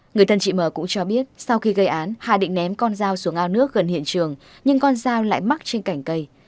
người thân chị m cũng cho biết sau khi gây án hà định ném con dao xuống ao nước gần hiện trường nhưng con dao lại mắc trên cảnh cây